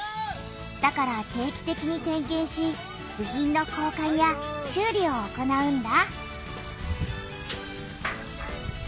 だから定期てきに点けんし部品の交かんや修理を行うんだ。